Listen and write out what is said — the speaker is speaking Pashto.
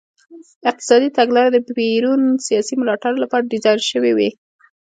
اقتصادي تګلارې د پېرون سیاسي ملاتړو لپاره ډیزاین شوې وې.